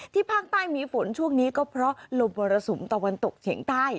ภาคใต้มีฝนช่วงนี้ก็เพราะลมมรสุมตะวันตกเฉียงใต้